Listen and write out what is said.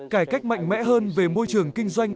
cải cách mạnh mẽ hơn về môi trường kinh doanh